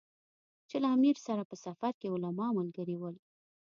چې له امیر سره په سفر کې علما ملګري ول.